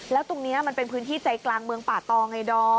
แล้วตรงนี้มันเป็นพื้นที่ใจกลางเมืองป่าตองไงดอม